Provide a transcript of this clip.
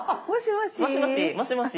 もしもし。